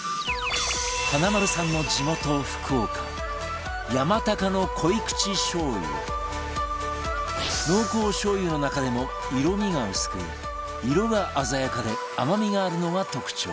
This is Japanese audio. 華丸さんの地元福岡濃厚しょう油の中でも色味が薄く色が鮮やかで甘みがあるのが特徴